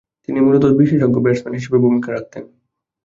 তিনি মূলতঃ বিশেষজ্ঞ ব্যাটসম্যান হিসেবে ভূমিকা রাখতেন।